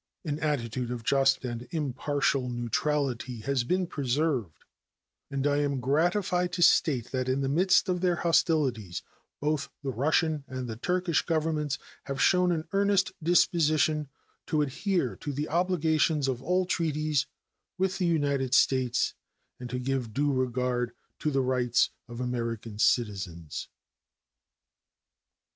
An attitude of just and impartial neutrality has been preserved, and I am gratified to state that in the midst of their hostilities both the Russian and the Turkish Governments have shown an earnest disposition to adhere to the obligations of all treaties with the United States and to give due regard to the rights of American citizens.